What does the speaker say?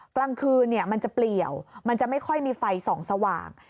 กลางคืนมันจะเปลี่ยวมันจะไม่ค่อยมีไฟส่องสว่าง